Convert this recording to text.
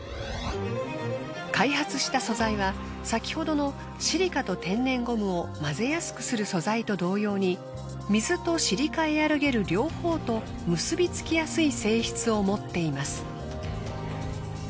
開発した素材は先ほどのシリカと天然ゴムを混ぜやすくする素材と同様に水とシリカエアロゲル両方と結びつきやすい性質を持っています。